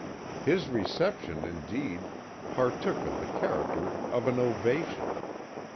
His reception, indeed, partook of the character of an ovation.